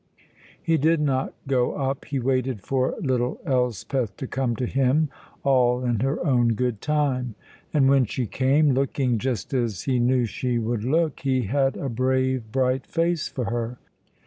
He did not go up; he waited for little Elspeth to come to him, all in her own good time. And when she came, looking just as he knew she would look, he had a brave, bright face for her.